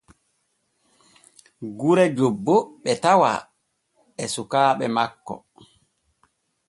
Gure jobbo ɓe tawa e sukaaɓe makko.